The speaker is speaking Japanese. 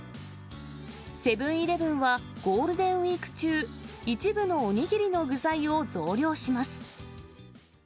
セブンーイレブンはゴールデンウィーク中、一部のお握りの具材を増量します。